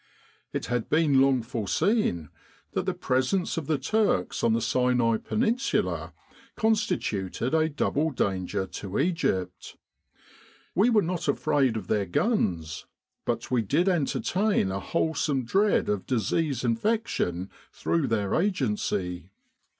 It had been long foreseen that the presence of the Turks on the Sinai Peninsula constituted a double danger to Egypt. We were not afraid of their guns, but we did entertain a wholesome dread of disease infection through their agency.